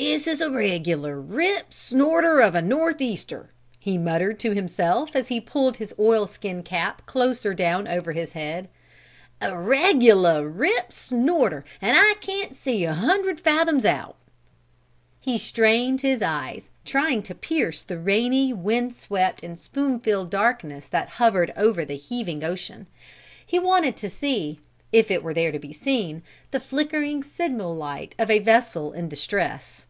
"This is a regular rip snorter of a north easter!" he muttered to himself as he pulled his oilskin cap closer down over his head. "A regular rip snorter, and I can't see a hundred fathoms out!" He strained his eyes, trying to pierce the rainy, wind swept and spume filled darkness that hovered over the heaving ocean. He wanted to see if it were there to be seen the flickering signal light of a vessel in distress.